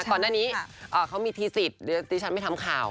ก่อนหน้านี้เขามีทีสิทธิ์ที่ฉันไม่ทำข่าว